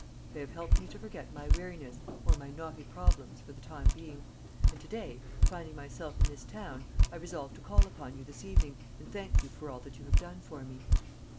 They have helped me to forget my weariness or my knotty problems for the time being; and to day, finding myself in this town, I resolved to call upon you this evening and thank you for all that you have done for me."